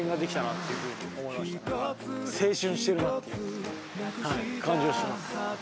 はい青春してるなっていうはい感じはします